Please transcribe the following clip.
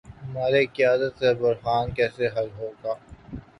ہمارا قیادت کا بحران کیسے حل ہو گا۔